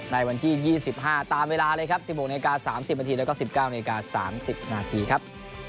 ในวันที่๒๕ตามเวลาเลยครับ๑๖น๓๐นแล้วก็๑๙น๓๐นครับ